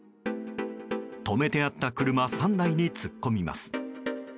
止めてあった車３台に突っ込みます。